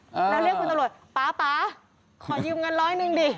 ก็เรียกคุณตำรวจป๊ะขอยืมเงินร้อยหนึ่งดิ